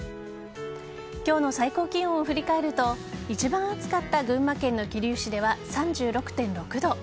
今日の最高気温を振り返ると一番暑かった群馬県の桐生市では３６．６度。